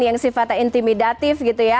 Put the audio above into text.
yang sifatnya intimidatif